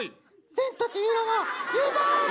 「千と千尋」の湯婆婆！